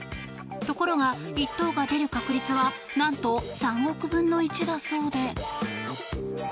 ところが１等が出る確率は何と３億分の１だそうで。